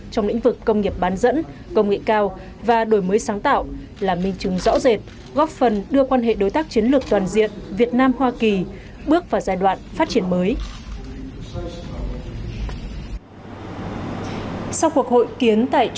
trong lĩnh vực công nghiệp bán dẫn công nghệ cao và đổi mới sáng tạo là minh chứng rõ rệt góp phần đưa quan hệ đối tác chiến lược toàn diện việt nam hoa kỳ bước vào giai đoạn phát triển mới